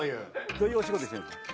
どういうお仕事してるんですか？